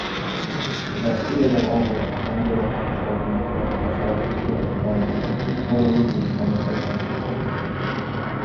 Rossiyada og‘ir tan jarohati olgan va kasallikka chalingan ikki fuqaro O‘zbekistonga qaytarildi